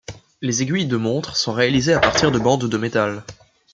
Les aiguilles de montres sont réalisées à partir de bandes de métal.